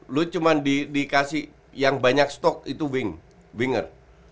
lu cuman dikasih yang banyak stok itu winger